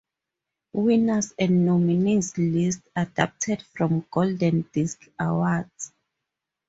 Winners and nominees lists adapted from "Golden Disc Awards".